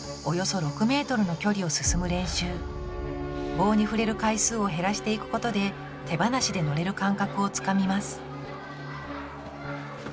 棒に触れる回数を減らしていくことで手放しで乗れる感覚をつかみます